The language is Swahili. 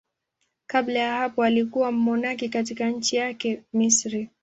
Kabla ya hapo alikuwa mmonaki katika nchi yake, Misri.